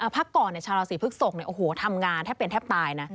พักก่อนชาวราศีพฤกษกทำงานแทบเป็นแทบตายนะ